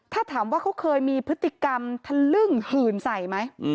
ถ้าถามว่าเขาเคยมีพฤติกรรมทะลึ่งหื่นใส่ไหม